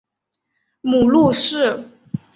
母陆氏。